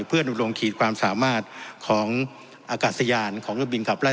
เพื่อนุรงขีดความสามารถของอากาศยานของเครื่องบินขับไล่